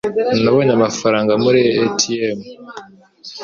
Nabonye amafaranga muri ATM